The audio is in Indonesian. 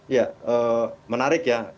ya menarik ya